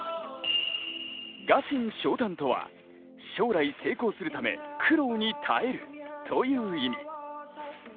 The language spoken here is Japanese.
臥薪嘗胆とは、将来成功するため苦労に耐えるという意味。